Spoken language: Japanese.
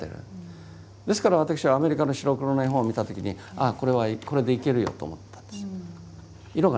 ですから私はアメリカの白黒の絵本を見た時にああこれはこれでいけるよと思ったんです。